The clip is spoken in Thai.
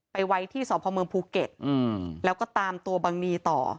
ไปไว้ที่สพเมืองภูเก็ตแล้วก็ตามตัวบังนีต่อ